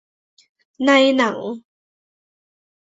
ในหนัง